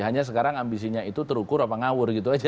hanya sekarang ambisinya itu terukur apa ngawur gitu aja